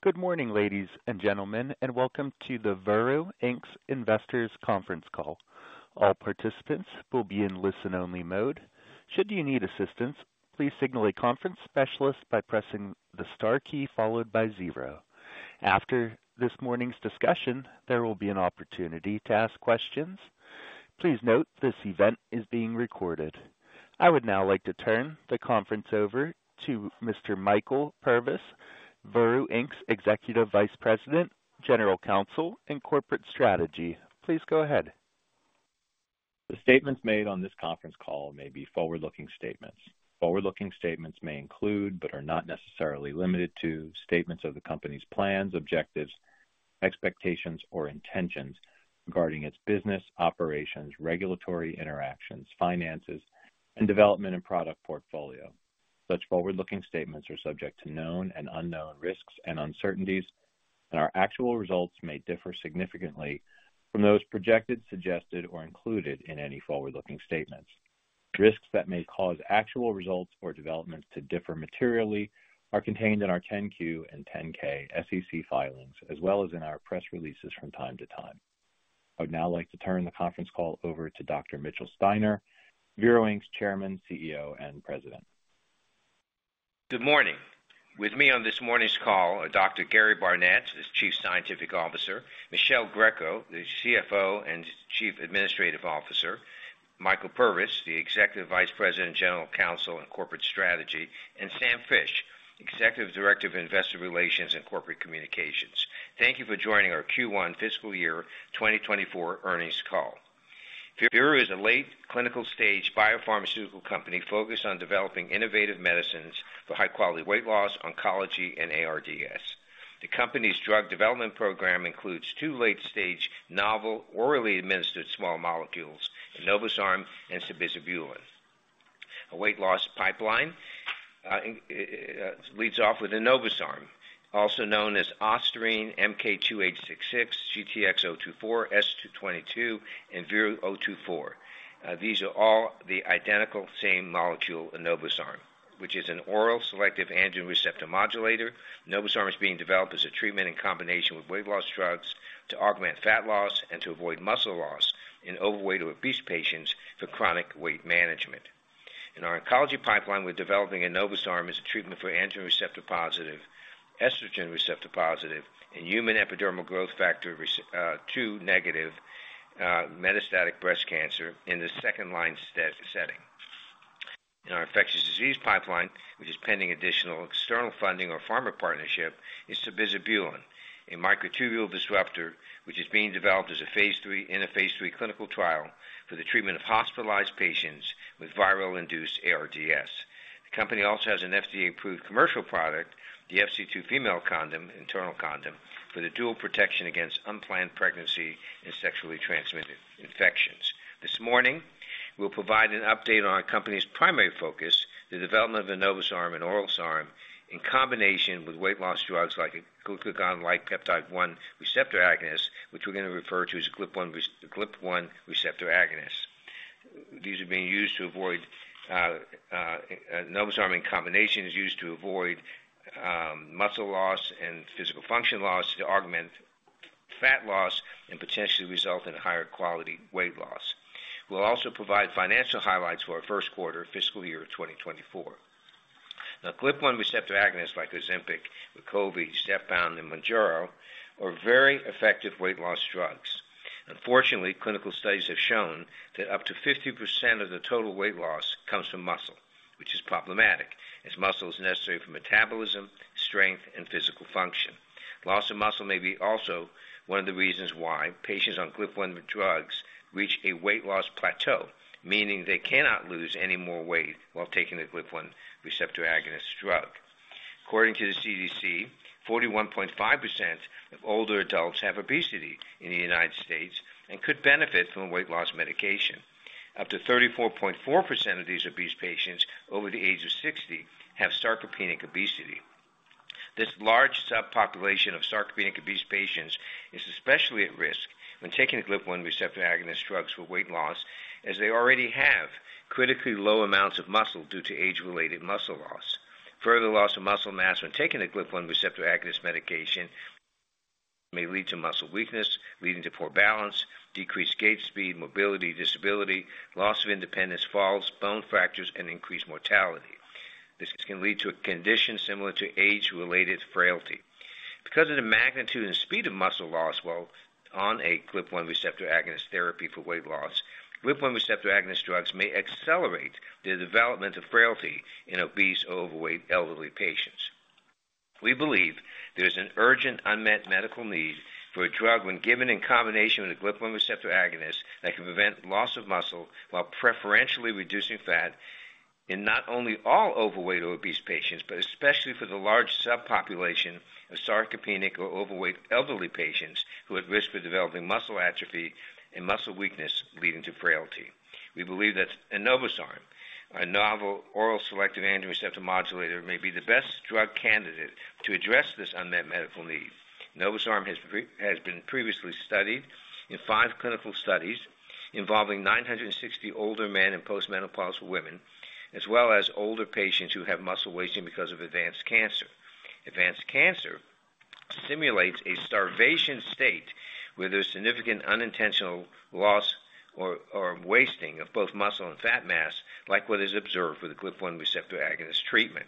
Good morning, ladies and gentlemen, and welcome to the Veru Inc's Investors Conference Call. All participants will be in listen-only mode. Should you need assistance, please signal a conference specialist by pressing the star key followed by zero. After this morning's discussion, there will be an opportunity to ask questions. Please note this event is being recorded. I would now like to turn the conference over to Mr. Michael Purvis, Veru Inc.'s Executive Vice President, General Counsel and Corporate Strategy. Please go ahead. The statements made on this conference call may be forward-looking statements. Forward-looking statements may include, but are not necessarily limited to, statements of the company's plans, objectives, expectations, or intentions regarding its business operations, regulatory interactions, finances, and development and product portfolio. Such forward-looking statements are subject to known and unknown risks and uncertainties, and our actual results may differ significantly from those projected, suggested, or included in any forward-looking statements. Risks that may cause actual results or developments to differ materially are contained in our 10-Q and 10-K SEC filings, as well as in our press releases from time to time. I would now like to turn the conference call over to Dr. Mitchell Steiner, Veru Inc.'s Chairman, CEO, and President. Good morning. With me on this morning's call are Dr. Gary Barnette, the Chief Scientific Officer, Michele Greco, the CFO and Chief Administrative Officer, Michael Purvis, the Executive Vice President, General Counsel and Corporate Strategy, and Samuel Fisch, Executive Director of Investor Relations and Corporate Communications. Thank you for joining our Q1 fiscal year 2024 earnings call. Veru is a late clinical stage biopharmaceutical company focused on developing innovative medicines for high quality weight loss, oncology, and ARDS. The company's drug development program includes two late-stage, novel, orally administered small molecules, Enobosarm and Sabizabulin. A weight loss pipeline leads off with Enobosarm, also known as ostarine, MK-2866, GTx-024, S-22, and VERU-024. These are all the identical same molecule, Enobosarm, which is an oral selective androgen receptor modulator. Enobosarm is being developed as a treatment in combination with weight loss drugs to augment fat loss and to avoid muscle loss in overweight or obese patients for chronic weight management. In our oncology pipeline, we're developing Enobosarm as a treatment for androgen receptor-positive, estrogen receptor-positive, and human epidermal growth factor receptor two negative metastatic breast cancer in the second-line setting. In our infectious disease pipeline, which is pending additional external funding or pharma partnership, is Sabizabulin, a microtubule disruptor, which is being developed as a phase III, in a phase III clinical trial for the treatment of hospitalized patients with viral-induced ARDS. The company also has an FDA-approved commercial product, the FC2 Female Condom, internal condom, for the dual protection against unplanned pregnancy and sexually transmitted infections. This morning, we'll provide an update on our company's primary focus, the development of Enobosarm, an oral SARM, in combination with weight loss drugs like glucagon-like peptide-1 receptor agonist, which we're going to refer to as GLP-1 receptor agonist. These are being used to avoid Enobosarm in combination is used to avoid muscle loss and physical function loss to augment fat loss and potentially result in higher quality weight loss. We'll also provide financial highlights for our first quarter fiscal year of 2024. Now, GLP-1 receptor agonists like Ozempic, Wegovy, Zepbound, and Mounjaro are very effective weight loss drugs. Unfortunately, clinical studies have shown that up to 50% of the total weight loss comes from muscle, which is problematic, as muscle is necessary for metabolism, strength, and physical function. Loss of muscle may be also one of the reasons why patients on GLP-1 drugs reach a weight loss plateau, meaning they cannot lose any more weight while taking a GLP-1 receptor agonist drug. According to the CDC, 41.5% of older adults have obesity in the United States and could benefit from a weight loss medication. Up to 34.4% of these obese patients over the age of 60 have sarcopenic obesity. This large subpopulation of sarcopenic obese patients is especially at risk when taking a GLP-1 receptor agonist drugs for weight loss, as they already have critically low amounts of muscle due to age-related muscle loss. Further loss of muscle mass when taking a GLP-1 receptor agonist medication may lead to muscle weakness, leading to poor balance, decreased gait speed, mobility, disability, loss of independence, falls, bone fractures, and increased mortality. This can lead to a condition similar to age-related frailty. Because of the magnitude and speed of muscle loss while on a GLP-1 receptor agonist therapy for weight loss, GLP-1 receptor agonist drugs may accelerate the development of frailty in obese or overweight elderly patients. We believe there's an urgent unmet medical need for a drug when given in combination with a GLP-1 receptor agonist that can prevent loss of muscle while preferentially reducing fat in not only all overweight or obese patients, but especially for the large subpopulation of sarcopenic or overweight elderly patients who are at risk for developing muscle atrophy and muscle weakness leading to frailty. We believe that Enobosarm, a novel oral selective androgen receptor modulator, may be the best drug candidate to address this unmet medical need.... Enobosarm has been previously studied in five clinical studies involving 960 older men and postmenopausal women, as well as older patients who have muscle wasting because of advanced cancer. Advanced cancer simulates a starvation state where there's significant unintentional loss or wasting of both muscle and fat mass, like what is observed with the GLP-1 receptor agonist treatment.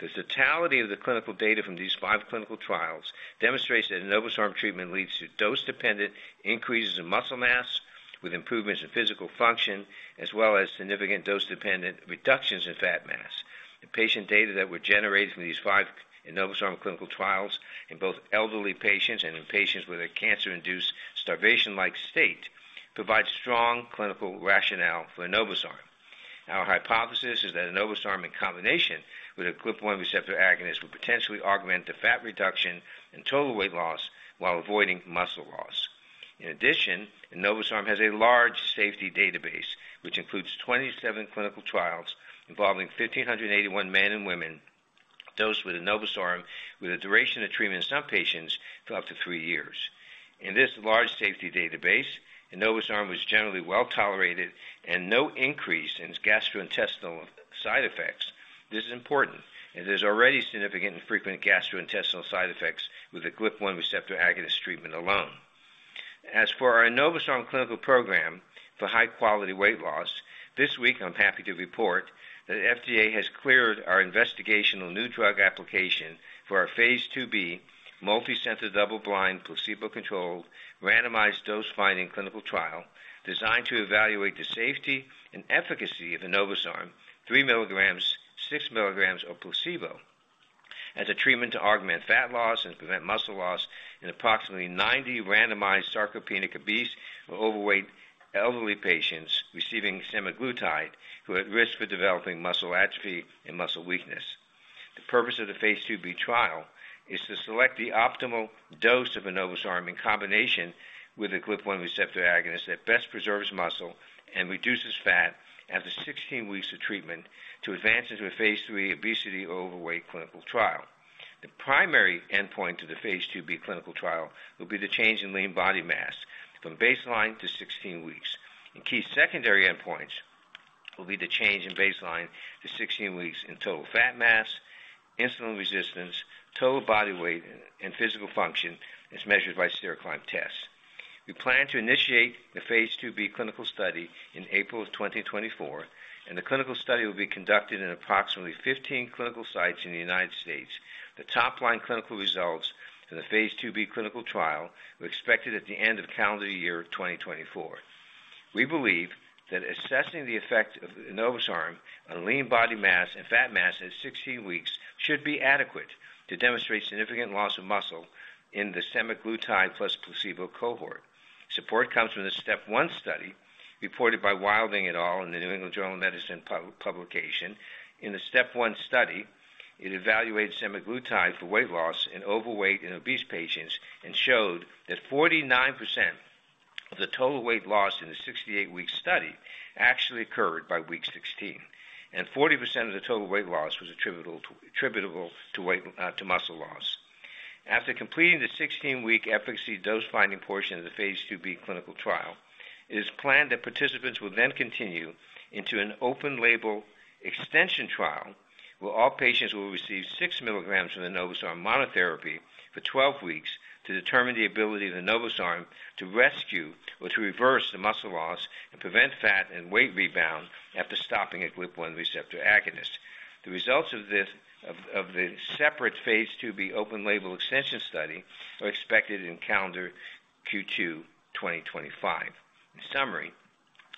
The totality of the clinical data from these five clinical trials demonstrates that an Enobosarm treatment leads to dose-dependent increases in muscle mass, with improvements in physical function, as well as significant dose-dependent reductions in fat mass. The patient data that were generated from these five Enobosarm clinical trials in both elderly patients and in patients with a cancer-induced starvation-like state, provides strong clinical rationale for Enobosarm. Our hypothesis is that Enobosarm, in combination with a GLP-1 receptor agonist, will potentially augment the fat reduction and total weight loss while avoiding muscle loss. In addition, Enobosarm has a large safety database, which includes 27 clinical trials involving 1,581 men and women dosed with Enobosarm, with a duration of treatment in some patients for up to three years. In this large safety database, Enobosarm was generally well-tolerated and no increase in gastrointestinal side effects. This is important, as there's already significant and frequent gastrointestinal side effects with the GLP-1 receptor agonist treatment alone. As for our Enobosarm clinical program for high-quality weight loss, this week, I'm happy to report that FDA has cleared our investigational new drug application for our phase II-B, multicenter, double-blind, placebo-controlled, randomized dose-finding clinical trial, designed to evaluate the safety and efficacy of Enobosarm, 3 mg, 6 mg of placebo, as a treatment to augment fat loss and prevent muscle loss in approximately 90 randomized sarcopenic, obese, or overweight elderly patients receiving semaglutide, who are at risk for developing muscle atrophy and muscle weakness. The purpose of the phase II-B trial is to select the optimal dose of Enobosarm in combination with a GLP-1 receptor agonist that best preserves muscle and reduces fat after 16 weeks of treatment to advance into a phase III obesity or overweight clinical trial. The primary endpoint to the phase II-B clinical trial will be the change in lean body mass from baseline to 16 weeks. Key secondary endpoints will be the change in baseline to 16 weeks in total fat mass, insulin resistance, total body weight, and physical function, as measured by stair climb tests. We plan to initiate the phase II-B clinical study in April 2024, and the clinical study will be conducted in approximately 15 clinical sites in the United States. The top-line clinical results for the phase II-B clinical trial are expected at the end of calendar year 2024. We believe that assessing the effect of Enobosarm on lean body mass and fat mass at 16 weeks should be adequate to demonstrate significant loss of muscle in the semaglutide plus placebo cohort. Support comes from the step one study, reported by Wilding et al. In the New England Journal of Medicine publication. In the step one study, it evaluated semaglutide for weight loss in overweight and obese patients and showed that 49% of the total weight loss in the 68-week study actually occurred by week 16, and 40% of the total weight loss was attributable to muscle loss. After completing the 16-week efficacy dose-finding portion of the phase II-B clinical trial, it is planned that participants will then continue into an open label extension trial, where all patients will receive 6 mg of Enobosarm monotherapy for 12 weeks, to determine the ability of Enobosarm to rescue or to reverse the muscle loss and prevent fat and weight rebound after stopping a GLP-1 receptor agonist. The results of this separate phase II-B open label extension study are expected in calendar Q2 2025. In summary,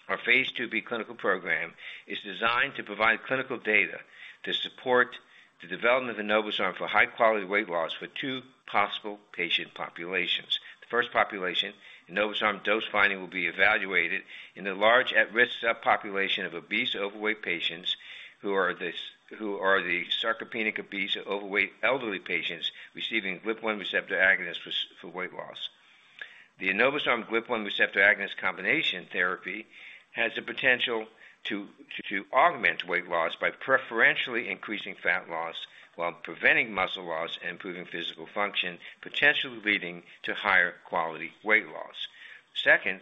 our phase II-B clinical program is designed to provide clinical data to support the development of Enobosarm for high-quality weight loss for two possible patient populations. The first population, Enobosarm dose-finding, will be evaluated in a large, at-risk subpopulation of obese or overweight patients who are the sarcopenic, obese, or overweight elderly patients receiving GLP-1 receptor agonists for weight loss. The Enobosarm GLP-1 receptor agonist combination therapy has the potential to augment weight loss by preferentially increasing fat loss while preventing muscle loss and improving physical function, potentially leading to higher quality weight loss. Second,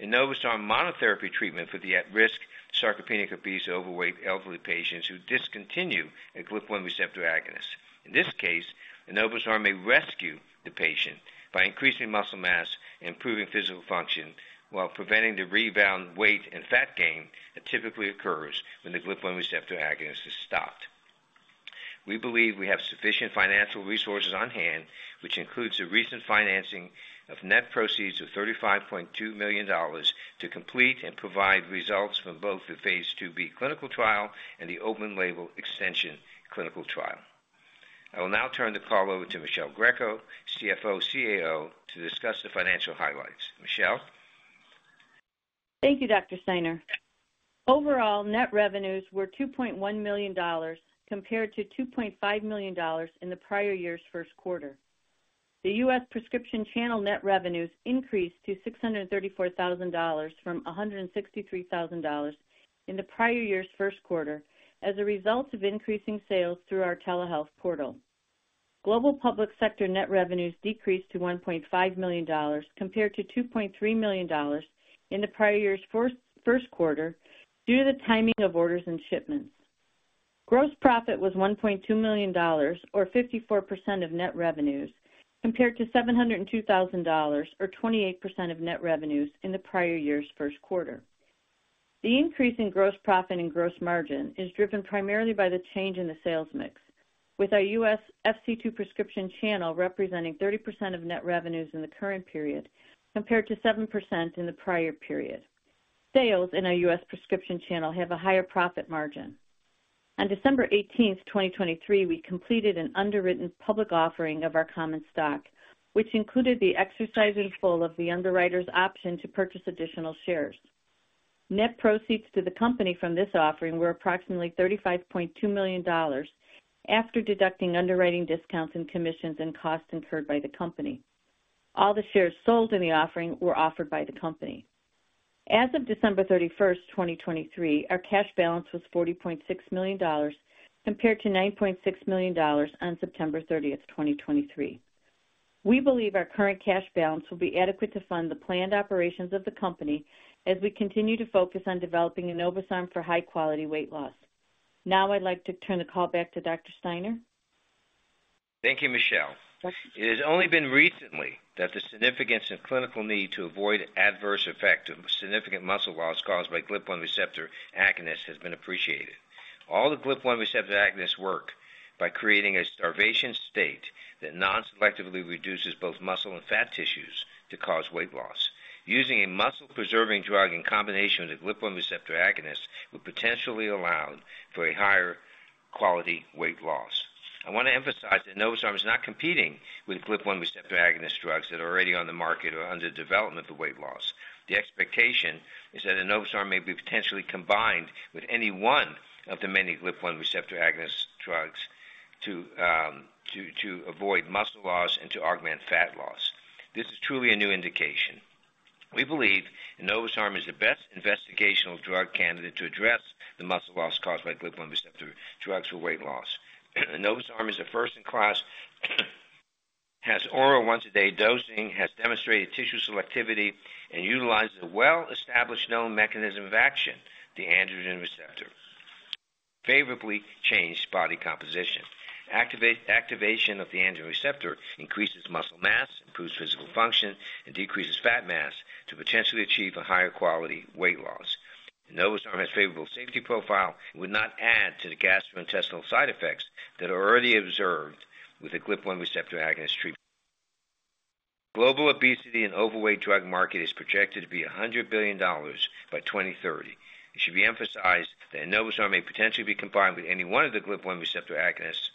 Enobosarm monotherapy treatment for the at-risk sarcopenic, obese, or overweight elderly patients who discontinue a GLP-1 receptor agonist. In this case, Enobosarm may rescue the patient by increasing muscle mass and improving physical function while preventing the rebound weight and fat gain that typically occurs when the GLP-1 receptor agonist is stopped. We believe we have sufficient financial resources on hand, which includes the recent financing of net proceeds of $35.2 million, to complete and provide results from both the phase II-B clinical trial and the open label extension clinical trial. I will now turn the call over to Michele Greco, CFO, CAO, to discuss the financial highlights. Michele? Thank you, Dr. Steiner. Overall, net revenues were $2.1 million, compared to $2.5 million in the prior year's first quarter. The U.S. prescription channel net revenues increased to $634,000 from $163,000 in the prior year's first quarter, as a result of increasing sales through our telehealth portal. Global public sector net revenues decreased to $1.5 million, compared to $2.3 million in the prior year's first quarter, due to the timing of orders and shipments. Gross profit was $1.2 million, or 54% of net revenues, compared to $702,000 or 28% of net revenues in the prior year's first quarter. The increase in gross profit and gross margin is driven primarily by the change in the sales mix, with our U.S. FC2 prescription channel representing 30% of net revenues in the current period, compared to 7% in the prior period. Sales in our U.S. prescription channel have a higher profit margin. On December eighteenth, 2023, we completed an underwritten public offering of our common stock, which included the exercise in full of the underwriter's option to purchase additional shares. Net proceeds to the company from this offering were approximately $35.2 million, after deducting underwriting discounts and commissions and costs incurred by the company. All the shares sold in the offering were offered by the company. As of December 31st, 2023, our cash balance was $40.6 million, compared to $9.6 million on September 30th, 2023. We believe our current cash balance will be adequate to fund the planned operations of the company as we continue to focus on developing Enobosarm for high quality weight loss. Now I'd like to turn the call back to Dr. Steiner. Thank you, Michele. It has only been recently that the significance and clinical need to avoid adverse effects of significant muscle loss caused by GLP-1 receptor agonist has been appreciated. All the GLP-1 receptor agonists work by creating a starvation state that nonselectively reduces both muscle and fat tissues to cause weight loss. Using a muscle-preserving drug in combination with a GLP-1 receptor agonist would potentially allow for a higher quality weight loss. I want to emphasize that Enobosarm is not competing with GLP-1 receptor agonist drugs that are already on the market or under development for weight loss. The expectation is that Enobosarm may be potentially combined with any one of the many GLP-1 receptor agonist drugs to avoid muscle loss and to augment fat loss. This is truly a new indication. We believe Enobosarm is the best investigational drug candidate to address the muscle loss caused by GLP-1 receptor drugs for weight loss. Enobosarm is a first-in-class, has oral once-a-day dosing, has demonstrated tissue selectivity, and utilizes a well-established known mechanism of action, the androgen receptor. Favorably changed body composition. Activation of the androgen receptor increases muscle mass, improves physical function, and decreases fat mass to potentially achieve a higher quality weight loss. Enobosarm has favorable safety profile and would not add to the gastrointestinal side effects that are already observed with the GLP-1 receptor agonist treatment. Global obesity and overweight drug market is projected to be $100 billion by 2030. It should be emphasized that Enobosarm may potentially be combined with any one of the GLP-1 receptor agonist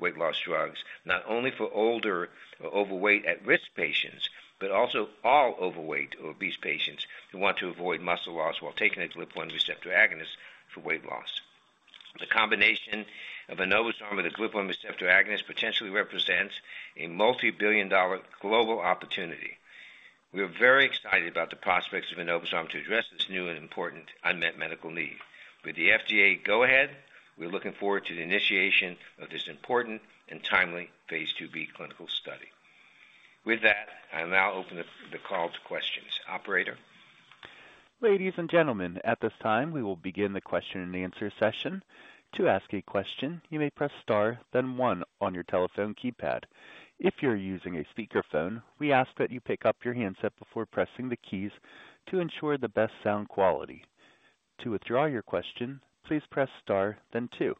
weight loss drugs, not only for older or overweight at-risk patients, but also all overweight or obese patients who want to avoid muscle loss while taking a GLP-1 receptor agonist for weight loss. The combination of Enobosarm and the GLP-1 receptor agonist potentially represents a multibillion-dollar global opportunity. We are very excited about the prospects of Enobosarm to address this new and important unmet medical need. With the FDA go-ahead, we're looking forward to the initiation of this important and timely phase II-B clinical study. With that, I'll now open the call to questions. Operator? Ladies and gentlemen, at this time, we will begin the question-and-answer session. To ask a question, you may press star, then one on your telephone keypad. If you're using a speakerphone, we ask that you pick up your handset before pressing the keys to ensure the best sound quality. To withdraw your question, please press star then two.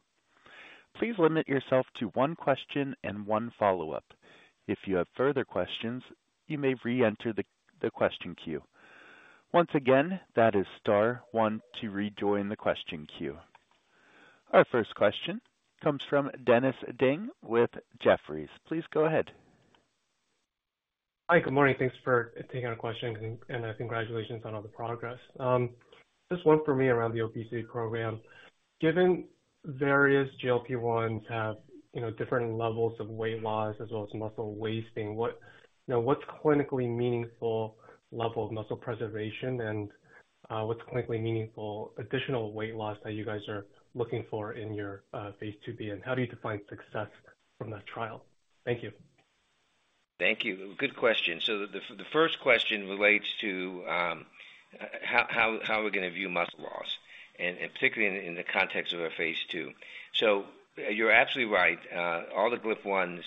Please limit yourself to one question and one follow-up. If you have further questions, you may reenter the question queue. Once again, that is star one to rejoin the question queue. Our first question comes from Dennis Ding with Jefferies. Please go ahead. Hi, good morning. Thanks for taking our question, and congratulations on all the progress. Just one for me around the obesity program. Given various GLP-1s have, you know, different levels of weight loss as well as muscle wasting, what, you know, what's clinically meaningful level of muscle preservation, and what's clinically meaningful additional weight loss that you guys are looking for in your phase II-B, and how do you define success from that trial? Thank you. Thank you. Good question. So the first question relates to how we're going to view muscle loss, and particularly in the context of our phase II. So you're absolutely right, all the GLP-1s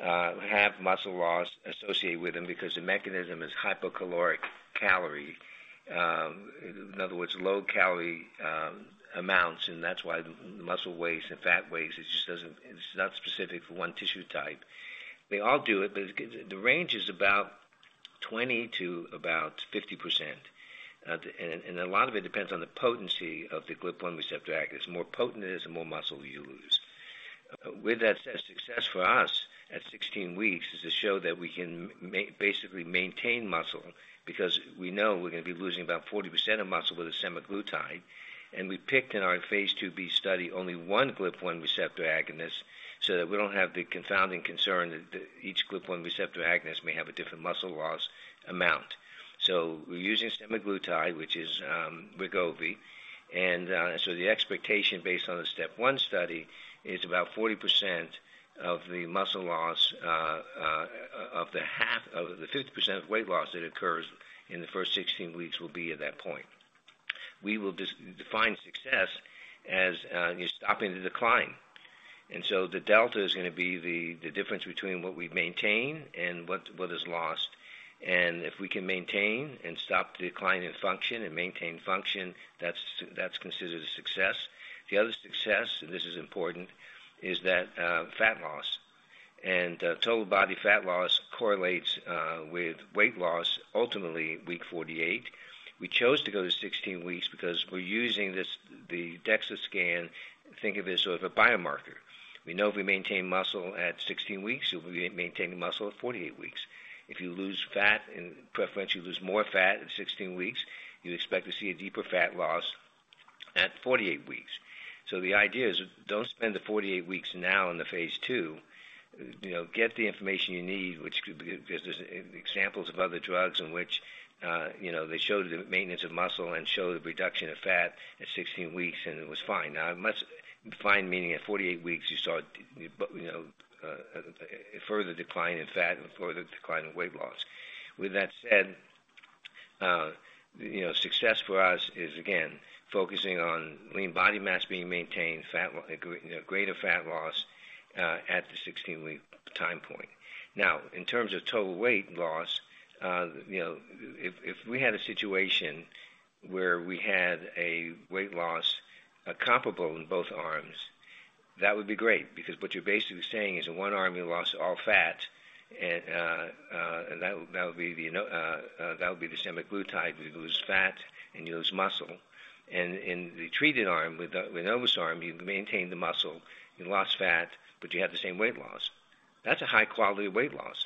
have muscle loss associated with them because the mechanism is hypocaloric calorie, in other words, low-calorie amounts, and that's why muscle waste and fat waste; it just doesn't. It's not specific for one tissue type. They all do it, but the range is about 20%-50%. And a lot of it depends on the potency of the GLP-1 receptor agonist. The more potent it is, the more muscle you lose. With that said, success for us at 16 weeks is to show that we can basically maintain muscle because we know we're going to be losing about 40% of muscle with semaglutide. We picked in our phase II-B study only one GLP-1 receptor agonist, so that we don't have the confounding concern that each GLP-1 receptor agonist may have a different muscle loss amount. So we're using semaglutide, which is Wegovy. So the expectation based on the STEP 1 study is about 40% of the muscle loss of the half of the 50% of weight loss that occurs in the first 16 weeks will be at that point. We will just define success as you stopping the decline. So the delta is going to be the difference between what we've maintained and what is lost. If we can maintain and stop the decline in function and maintain function, that's, that's considered a success. The other success, and this is important, is fat loss. Total body fat loss correlates with weight loss, ultimately, week 48. We chose to go to 16 weeks because we're using this, the DEXA scan, think of it as sort of a biomarker. We know if we maintain muscle at 16 weeks, if we maintain the muscle at 48 weeks. If you lose fat and preferentially lose more fat at 16 weeks, you expect to see a deeper fat loss at 48 weeks. So the idea is, don't spend the 48 weeks now in the phase 2. You know, get the information you need, which could be, there's examples of other drugs in which, you know, they showed the maintenance of muscle and showed the reduction of fat at 16 weeks, and it was fine. Now, fine, meaning at 48 weeks, you saw, you know, a further decline in fat and further decline in weight loss. With that said, you know, success for us is, again, focusing on lean body mass being maintained, fat loss, you know, greater fat loss, at the 16-week time point. Now, in terms of total weight loss, you know, if we had a situation where we had a weight loss comparable in both arms, that would be great because what you're basically saying is in one arm, you lost all fat, and that would be the semaglutide, where you lose fat and you lose muscle. And in the treated arm, with the Enobosarm, you maintain the muscle, you lose fat, but you have the same weight loss. That's a high quality of weight loss.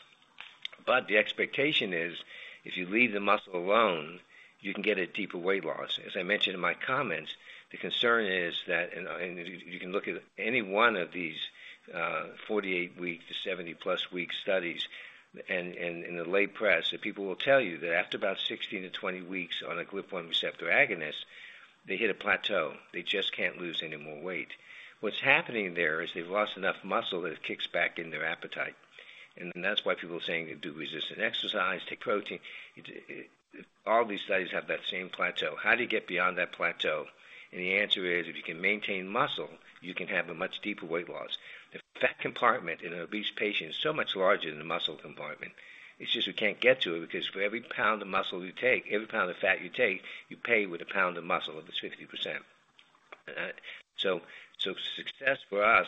But the expectation is, if you leave the muscle alone, you can get a deeper weight loss. As I mentioned in my comments, the concern is that, and you can look at any one of these 48-week to 70+-week studies and, in the lay press, that people will tell you that after about 16-20 weeks on a GLP-1 receptor agonist, they hit a plateau. They just can't lose any more weight. What's happening there is they've lost enough muscle that it kicks back in their appetite. And that's why people are saying, do resistant exercise, take protein. It... All these studies have that same plateau. How do you get beyond that plateau? And the answer is, if you can maintain muscle, you can have a much deeper weight loss. The fat compartment in an obese patient is so much larger than the muscle compartment. It's just you can't get to it, because for every pound of muscle you take, every pound of fat you take, you pay with a pound of muscle, if it's 50%. So success for us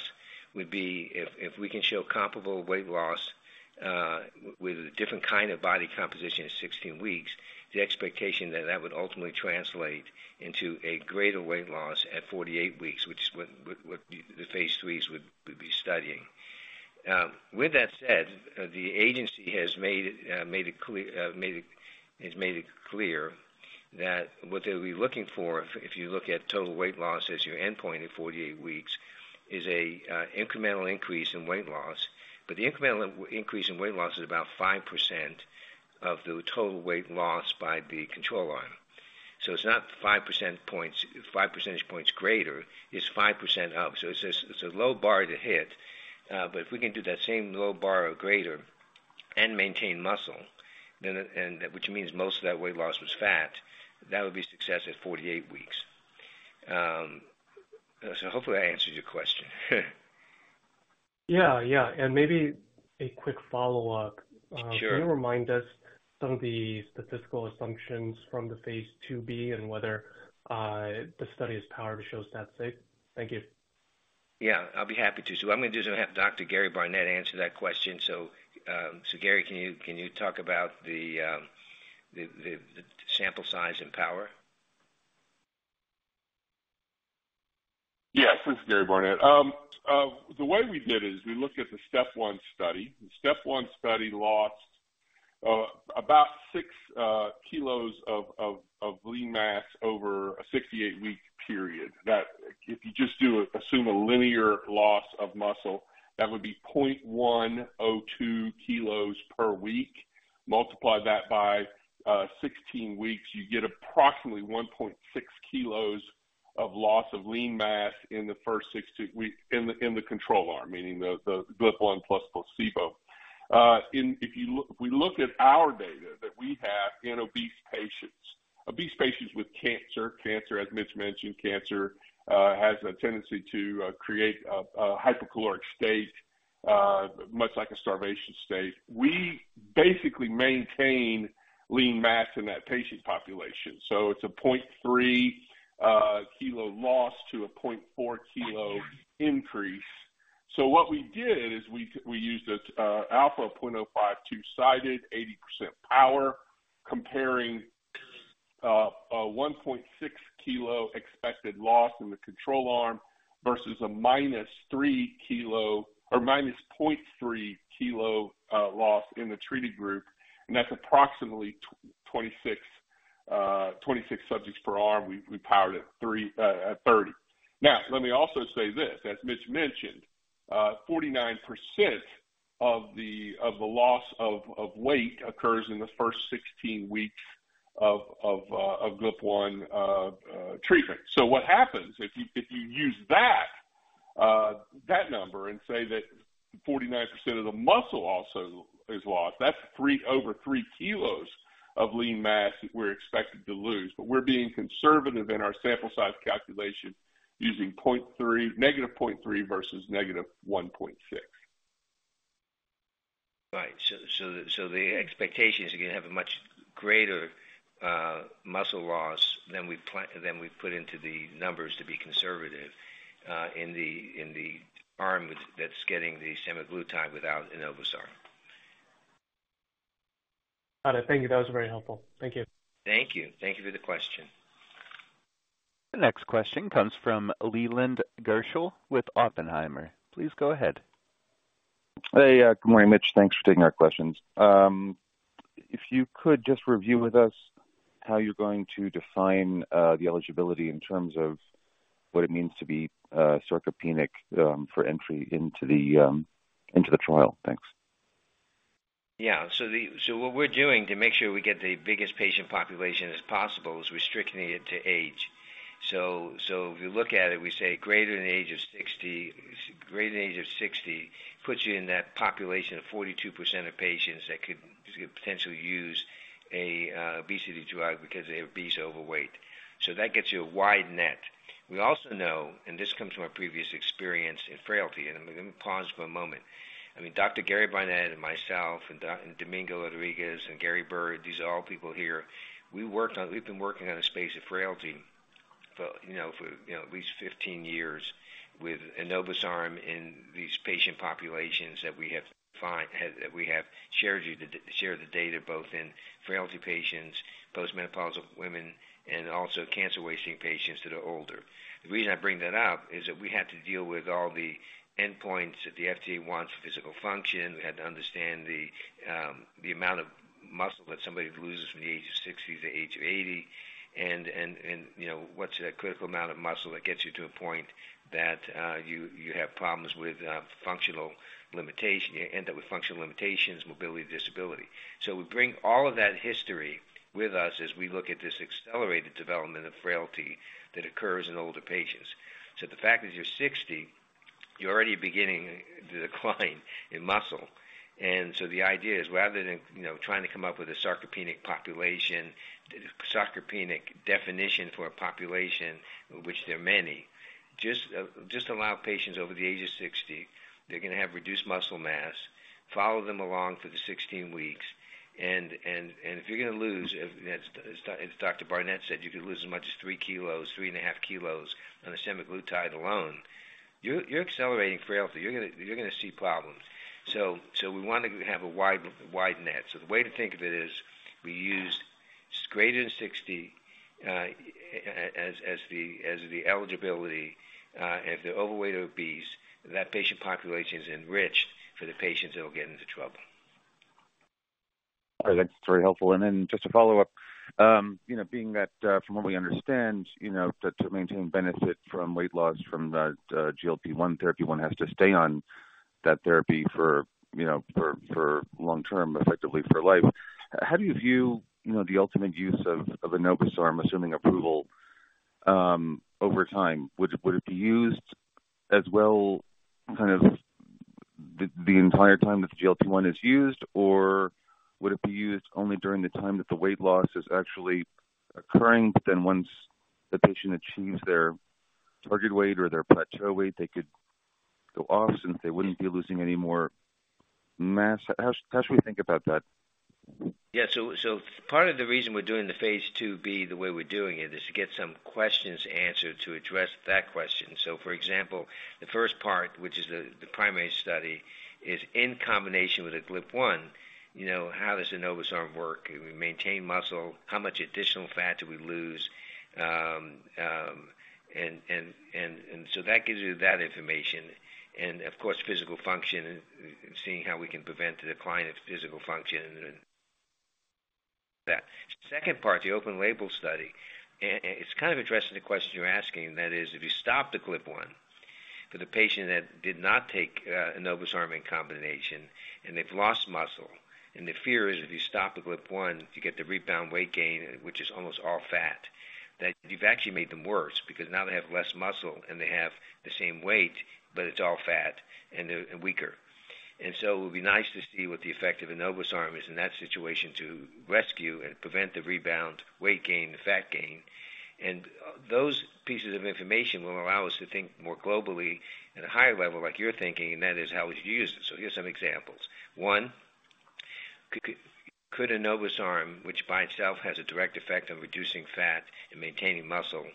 would be if we can show comparable weight loss with a different kind of body composition in 16 weeks, the expectation that that would ultimately translate into a greater weight loss at 48 weeks, which is what the phase III would be studying. With that said, the agency has made it clear that what they'll be looking for, if you look at total weight loss as your endpoint in 48 weeks, is an incremental increase in weight loss. But the incremental increase in weight loss is about 5% of the total weight loss by the control arm. So it's not 5 percentage points, 5 percentage points greater, it's 5% up. So it's a low bar to hit, but if we can do that same low bar or greater and maintain muscle, then, and which means most of that weight loss was fat, that would be success at 48 weeks. So hopefully that answers your question. Yeah, yeah. And maybe a quick follow-up. Sure. Can you remind us some of the statistical assumptions from the phase II-B and whether the study is powered to show statistic? Thank you. Yeah, I'll be happy to. So what I'm going to do is I have Dr. Gary Barnette answer that question. So, Gary, can you talk about the sample size and power? Yes, this is Gary Barnette. The way we did it is we looked at the step one study. The step one study lost about 6 kilos of lean mass over a 68-week period. That if you just do assume a linear loss of muscle, that would be 0.102 kilos per week. Multiply that by 16 weeks, you get approximately 1.6 kilos of loss of lean mass in the control arm, meaning the GLP-1 plus placebo. And if we look at our data that we have in obese patients with cancer, as Mitch mentioned, cancer has a tendency to create a hypocaloric state, much like a starvation state. We basically maintain lean mass in that patient population, so it's a 0.3 kilo loss to a 0.4 kilo increase. So what we did is we used an alpha of 0.05, two-sided, 80% power, comparing a 1.6 kilo expected loss in the control arm versus a -3 kilo or -0.3 kilo loss in the treated group, and that's approximately 26 subjects per arm. We powered it three- at 30. Now, let me also say this, as Mitch mentioned, 49% of the loss of weight occurs in the first 16 weeks of GLP-1 treatment. So what happens if you use that number and say that 49% of the muscle also is lost. That's three, over 3 kilos of lean mass that we're expected to lose. But we're being conservative in our sample size calculation, using 0.3, -0.3 versus -1.6. Right. The expectation is you're going to have a much greater muscle loss than we've put into the numbers to be conservative in the arm that's getting the semaglutide without Enobosarm. Got it. Thank you. That was very helpful. Thank you. Thank you. Thank you for the question. The next question comes from Leland Gershell with Oppenheimer. Please go ahead. Hey, good morning, Mitch. Thanks for taking our questions. If you could just review with us how you're going to define the eligibility in terms of what it means to be sarcopenic for entry into the trial. Thanks. Yeah. So what we're doing to make sure we get the biggest patient population as possible is restricting it to age. So if you look at it, we say greater than the age of 60. Greater than the age of 60 puts you in that population of 42% of patients that could potentially use a obesity drug because they're obese, overweight. So that gets you a wide net. We also know, and this comes from our previous experience in frailty, and let me pause for a moment. I mean, Dr. Gary Barnette and myself and Domingo Rodriguez and Gary Bird, these are all people here. We worked on-- we've been working on the space of frailty for, you know, for, you know, at least 15 years with Enobosarm in these patient populations that we have find... That we have shared you, shared the data both in frailty patients, post-menopausal women, and also cancer wasting patients that are older. The reason I bring that up is that we had to deal with all the endpoints that the FDA wants for physical function. We had to understand the amount of muscle that somebody loses from the age of 60 to the age of 80, and, you know, what's a critical amount of muscle that gets you to a point that you have problems with functional limitation. You end up with functional limitations, mobility, disability. So we bring all of that history with us as we look at this accelerated development of frailty that occurs in older patients. So the fact that you're 60, you're already beginning to decline in muscle. And so the idea is, rather than, you know, trying to come up with a sarcopenic population, sarcopenic definition for a population, which there are many, just allow patients over the age of 60, they're going to have reduced muscle mass, follow them along for the 16 weeks, and if you're going to lose, as Dr. Barnette said, you could lose as much as 3 kilos, 3.5 kilos on the semaglutide alone, you're accelerating frailty. You're going to see problems. So we want to have a wide net. So the way to think of it is, we use greater than 60 as the eligibility, if they're overweight or obese, that patient population is enriched for the patients that will get into trouble. All right. That's very helpful. And then just to follow up, you know, being that from what we understand, you know, that to maintain benefit from weight loss from the GLP-1 therapy, one has to stay on that therapy for, you know, long term, effectively for life. How do you view, you know, the ultimate use of Enobosarm, assuming approval, over time? Would it be used as well, kind of the entire time that the GLP-1 is used, or would it be used only during the time that the weight loss is actually occurring, but then once the patient achieves their target weight or their plateau weight, they could go off, since they wouldn't be losing any more mass? How should we think about that? Yeah. So part of the reason we're doing the phase II-B, the way we're doing it, is to get some questions answered, to address that question. So for example, the first part, which is the primary study, is in combination with the GLP-1, you know, how does Enobosarm work? Do we maintain muscle? How much additional fat do we lose? And so that gives you that information, and of course, physical function, and seeing how we can prevent the decline of physical function and that. Second part, the open-label study, and it's kind of addressing the question you're asking, and that is, if you stop the GLP-1 for the patient that did not take Enobosarm in combination, and they've lost muscle, and the fear is, if you stop the GLP-1, you get the rebound weight gain, which is almost all fat, that you've actually made them worse, because now they have less muscle, and they have the same weight, but it's all fat and weaker. And so it would be nice to see what the effect of Enobosarm is in that situation to rescue and prevent the rebound weight gain, the fat gain. And those pieces of information will allow us to think more globally at a higher level, like you're thinking, and that is how we use it. So here's some examples. One, could Enobosarm, which by itself has a direct effect on reducing fat and maintaining muscle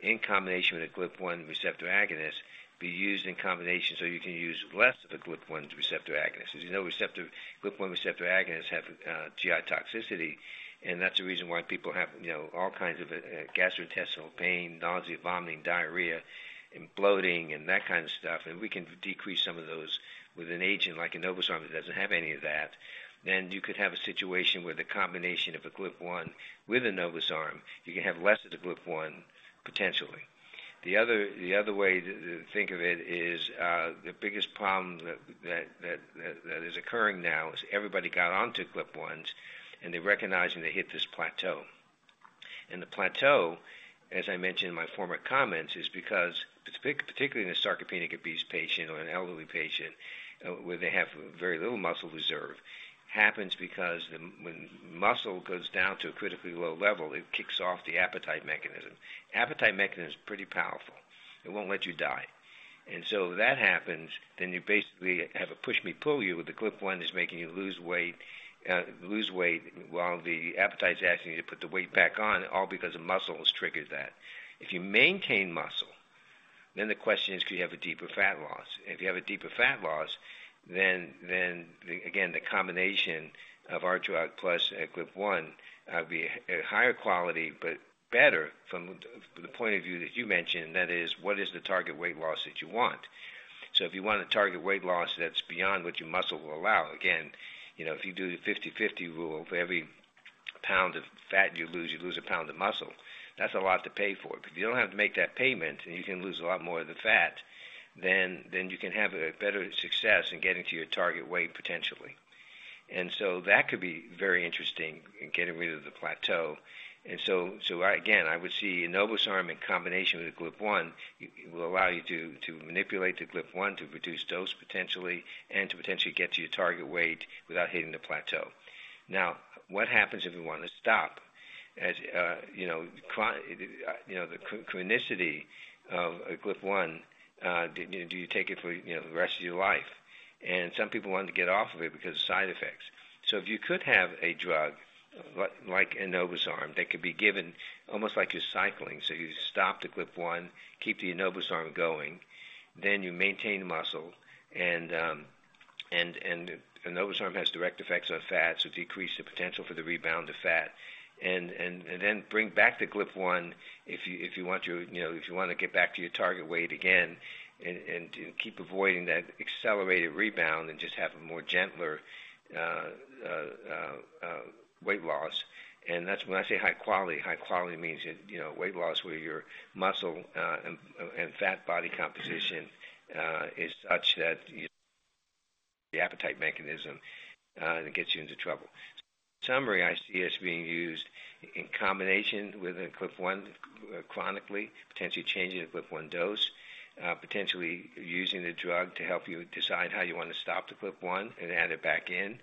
in combination with a GLP-1 receptor agonist, be used in combination, so you can use less of the GLP-1 receptor agonist? As you know, GLP-1 receptor agonists have GI toxicity, and that's the reason why people have, you know, all kinds of gastrointestinal pain, nausea, vomiting, diarrhea, and bloating, and that kind of stuff. And we can decrease some of those with an agent like Enobosarm that doesn't have any of that. Then you could have a situation where the combination of a GLP-1 with Enobosarm, you can have less of the GLP-1, potentially. The other way to think of it is the biggest problem that is occurring now is everybody got onto GLP-1, and they're recognizing they hit this plateau. And the plateau, as I mentioned in my former comments, is because, particularly in the sarcopenic obese patient or an elderly patient, where they have very little muscle reserve, happens because when muscle goes down to a critically low level, it kicks off the appetite mechanism. Appetite mechanism is pretty powerful. It won't let you die. And so that happens, then you basically have a push me, pull you, with the GLP-1 is making you lose weight, lose weight, while the appetite is asking you to put the weight back on, all because the muscle has triggered that. If you maintain muscle, then the question is, could you have a deeper fat loss? If you have a deeper fat loss, then the, again, the combination of our drug plus GLP-1 be a higher quality, but better from the point of view that you mentioned, that is, what is the target weight loss that you want? So if you want a target weight loss that's beyond what your muscle will allow, again, you know, if you do the 50/50 rule, for every pound of fat you lose, you lose a pound of muscle. That's a lot to pay for. If you don't have to make that payment, and you can lose a lot more of the fat, then you can have a better success in getting to your target weight, potentially. And so that could be very interesting in getting rid of the plateau. So again, I would see Enobosarm in combination with the GLP-1. It will allow you to manipulate the GLP-1, to reduce dose potentially, and to potentially get to your target weight without hitting the plateau. Now, what happens if we want to stop? As you know, the chronicity of a GLP-1, do you take it for, you know, the rest of your life? And some people wanted to get off of it because of side effects. So if you could have a drug, like Enobosarm, that could be given almost like you're cycling, so you stop the GLP-1, keep the Enobosarm going, then you maintain muscle and Enobosarm has direct effects on fat, so decrease the potential for the rebound of fat. And then bring back the GLP-1 if you, if you want to, you know, if you want to get back to your target weight again and to keep avoiding that accelerated rebound and just have a more gentler weight loss. And that's when I say high quality. High quality means, you know, weight loss, where your muscle and fat body composition is such that the appetite mechanism it gets you into trouble. Summary, I see us being used in combination with a GLP-1 chronically, potentially changing the GLP-1 dose, potentially using the drug to help you decide how you want to stop the GLP-1 and add it back in.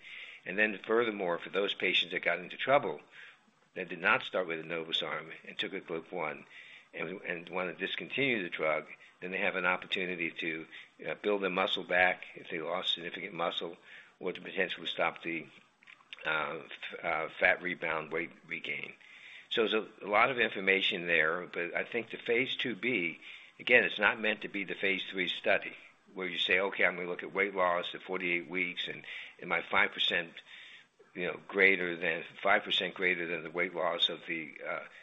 Then furthermore, for those patients that got into trouble, that did not start with Enobosarm and took a GLP-1 and want to discontinue the drug, then they have an opportunity to build their muscle back if they lost significant muscle, or to potentially stop the fat rebound, weight regain. So there's a lot of information there, but I think the phase II-B, again, it's not meant to be the phase III study, where you say: "Okay, I'm going to look at weight loss at 48 weeks, and am I 5%, you know, greater than, 5% greater than the weight loss of the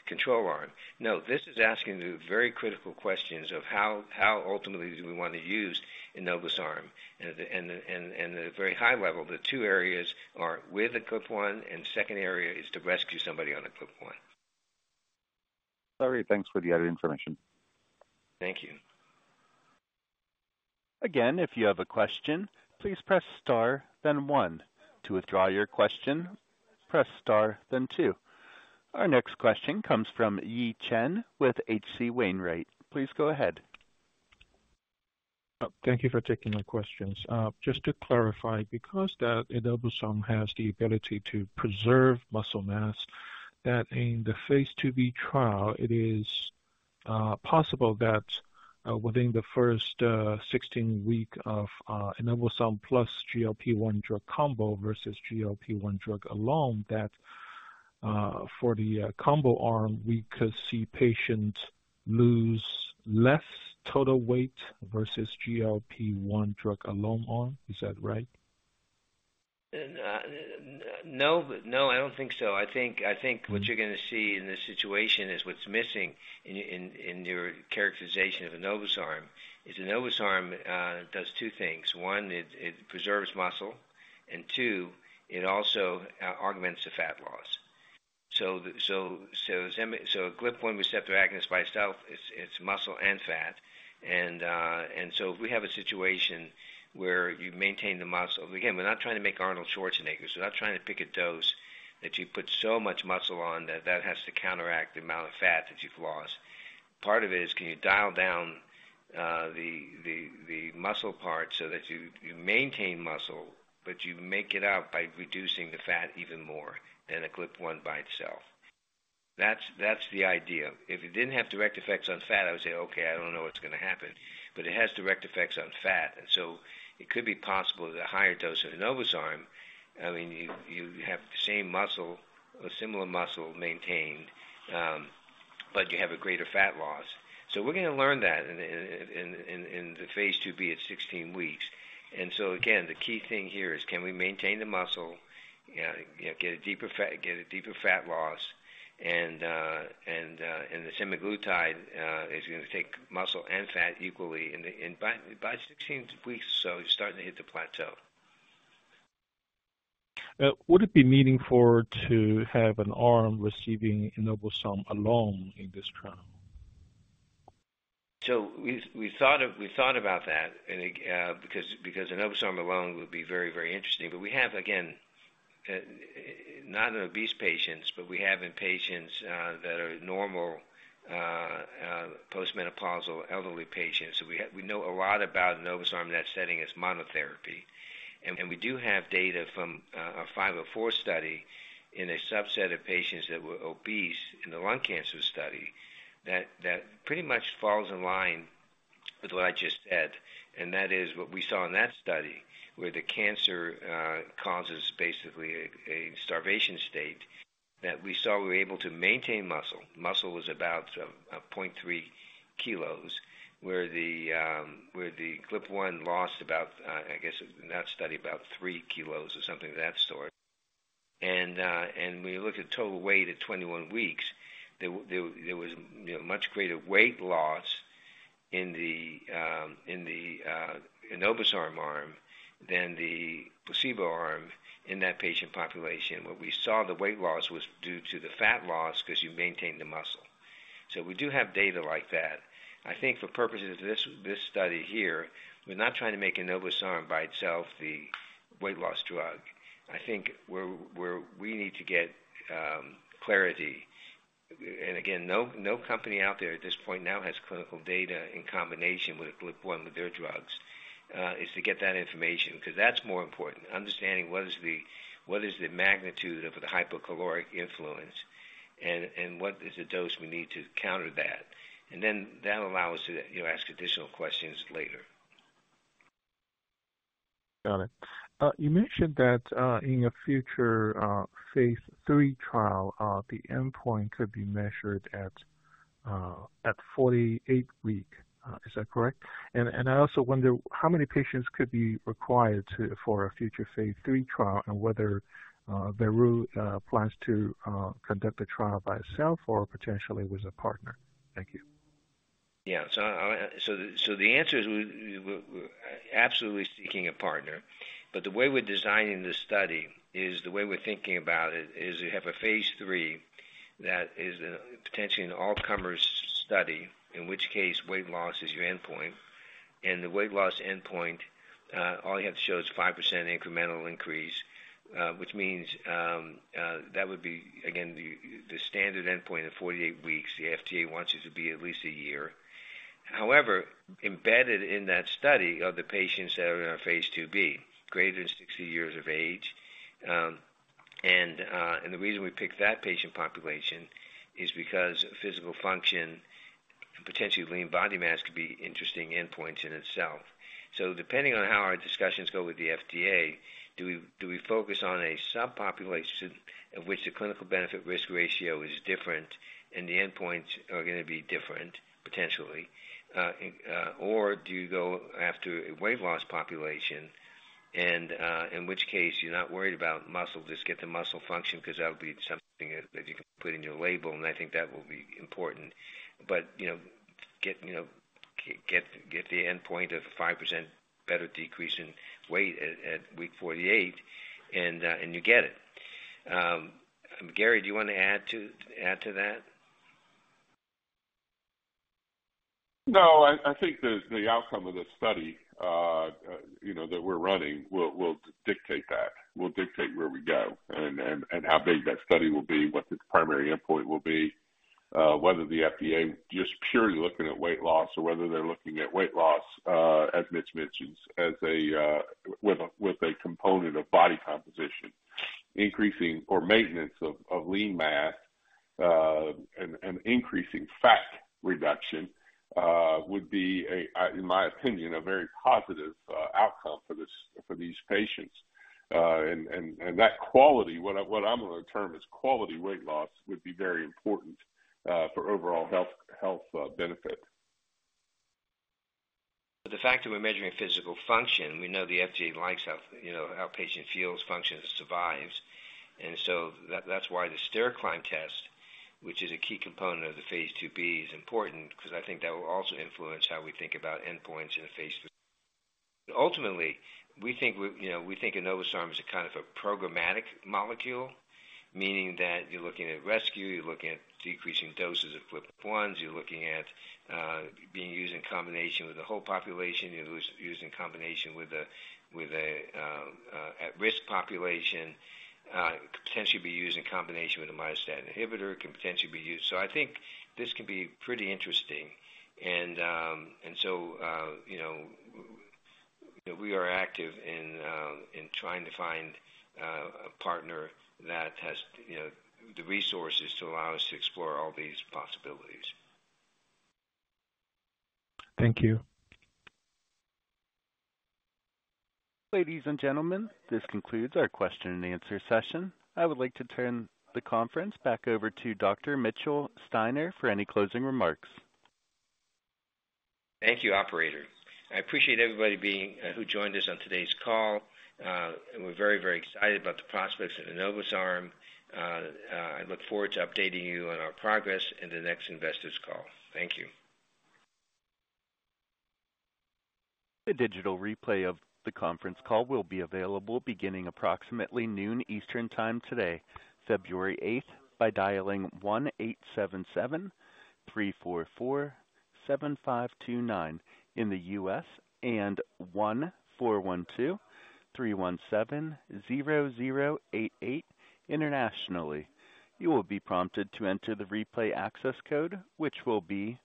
control arm?" No, this is asking the very critical questions of how ultimately do we want to use Enobosarm? At the very high level, the two areas are with the GLP-1, and second area is to rescue somebody on a GLP-1. Sorry, thanks for the added information. Thank you. Again, if you have a question, please press star, then one. To withdraw your question, press star, then two. Our next question comes from Yi Chen with H.C. Wainwright. Please go ahead. Thank you for taking my questions. Just to clarify, because the Enobosarm has the ability to preserve muscle mass, that in the phase II-B trial, it is possible that within the first 16 week of Enobosarm plus GLP-1 drug combo versus GLP-1 drug alone, that for the combo arm, we could see patients lose less total weight versus GLP-1 drug alone arm. Is that right? No, but no, I don't think so. I think what you're going to see in this situation is what's missing in your characterization of Enobosarm: Enobosarm does two things. One, it preserves muscle, and two, it also augments the fat loss. So the GLP-1 receptor agonist by itself, it's muscle and fat. And so if we have a situation where you maintain the muscle... Again, we're not trying to make Arnold Schwarzenegger. We're not trying to pick a dose that you put so much muscle on that that has to counteract the amount of fat that you've lost. Part of it is, can you dial down the muscle part so that you maintain muscle, but you make it up by reducing the fat even more than a GLP-1 by itself? That's the idea. If it didn't have direct effects on fat, I would say, "Okay, I don't know what's going to happen." But it has direct effects on fat, and so it could be possible that a higher dose of Enobosarm, I mean, you have the same muscle, or similar muscle maintained, but you have a greater fat loss. So we're going to learn that in the phase II-B at 16 weeks. And so again, the key thing here is, can we maintain the muscle, you know, get a deeper fat loss, and the semaglutide is going to take muscle and fat equally, and by 16 weeks, so you're starting to hit the plateau. Would it be meaningful to have an arm receiving Enobosarm alone in this trial? So we thought of, we thought about that and, because Enobosarm alone would be very, very interesting. But we have, again, not in obese patients, but we have in patients that are normal post-menopausal elderly patients. So we have—we know a lot about Enobosarm in that setting as monotherapy. And we do have data from a 504 study in a subset of patients that were obese in the lung cancer study, that pretty much falls in line with what I just said. And that is, what we saw in that study, where the cancer causes basically a starvation state, that we saw we were able to maintain muscle. Muscle was about 0.3 kilos, where the GLP-1 lost about, I guess, in that study, about 3 kilos or something of that sort. And when you look at total weight at 21 weeks, there was, you know, much greater weight loss in the Enobosarm arm than the placebo arm in that patient population. What we saw, the weight loss was due to the fat loss because you maintain the muscle. So we do have data like that. I think for purposes of this, this study here, we're not trying to make Enobosarm by itself the weight loss drug. I think where we need to get clarity, and again, no company out there at this point now has clinical data in combination with GLP-1 with their drugs is to get that information, because that's more important. Understanding what is the magnitude of the hypocaloric influence and what is the dose we need to counter that. Then that'll allow us to, you know, ask additional questions later. Got it. You mentioned that in a future phase III trial the endpoint could be measured at 48 week. Is that correct? And I also wonder how many patients could be required to... for a future phase III trial and whether Veru plans to conduct the trial by itself or potentially with a partner. Thank you. Yeah. So the answer is we're absolutely seeking a partner, but the way we're designing this study is, the way we're thinking about it, is we have a phase III that is potentially an all-comers study, in which case weight loss is your endpoint. And the weight loss endpoint, all you have to show is a 5% incremental increase, which means that would be, again, the standard endpoint of 48 weeks. The FDA wants it to be at least a year. However, embedded in that study are the patients that are in our phase II-B, greater than 60 years of age. And the reason we picked that patient population is because physical function and potentially lean body mass could be interesting endpoints in itself. So depending on how our discussions go with the FDA, do we focus on a subpopulation in which the clinical benefit risk ratio is different and the endpoints are going to be different, potentially? Or do you go after a weight loss population and in which case you're not worried about muscle, just get the muscle function, because that would be something that you can put in your label, and I think that will be important. But you know get the endpoint of a 5% better decrease in weight at week 48, and you get it. Gary, do you want to add to that? No, I think the outcome of this study, you know, that we're running will dictate that, will dictate where we go and how big that study will be, what the primary endpoint will be, whether the FDA just purely looking at weight loss or whether they're looking at weight loss, as Mitch mentioned, with a component of body composition. Increasing or maintenance of lean mass and increasing fat reduction would be, in my opinion, a very positive outcome for these patients. And that quality, what I'm going to term as quality weight loss, would be very important for overall health benefit. But the fact that we're measuring physical function, we know the FDA likes how, you know, how patient feels, functions, and survives. And so that's why the stair climb test, which is a key component of the phase II-B, is important, because I think that will also influence how we think about endpoints in a phase III. Ultimately, we think, you know, we think Enobosarm is a kind of a programmatic molecule, meaning that you're looking at rescue, you're looking at decreasing doses of GLP-1, you're looking at being used in combination with the whole population, you're used in combination with a at-risk population, potentially be used in combination with a myostatin inhibitor, can potentially be used... So I think this can be pretty interesting. So, you know, we are active in trying to find a partner that has, you know, the resources to allow us to explore all these possibilities. Thank you. Ladies and gentlemen, this concludes our question and answer session. I would like to turn the conference back over to Dr. Mitchell Steiner for any closing remarks. Thank you, operator. I appreciate everybody being who joined us on today's call. We're very, very excited about the prospects of Enobosarm. I look forward to updating you on our progress in the next investors call. Thank you. A digital replay of the conference call will be available beginning approximately noon Eastern Time today, February eighth, by dialing 1-877-344-7529 in the U.S. and 1-412-317-0088 internationally. You will be prompted to enter the replay access code, which will be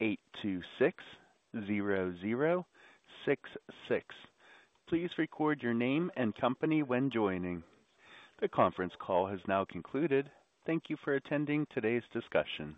8260066. Please record your name and company when joining. The conference call has now concluded. Thank you for attending today's discussion.